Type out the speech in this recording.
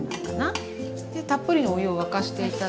でたっぷりのお湯を沸かして頂いて。